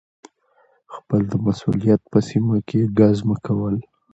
خپل د مسؤلیت په سیمه کي ګزمه کول